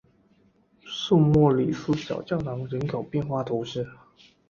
圣莫里斯小教堂人口变化图示